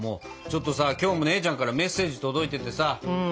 ちょっとさ今日も姉ちゃんからメッセージ届いててさこれ見てよ。